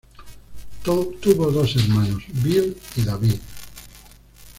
Tuvo dos hermanos, Bill y David.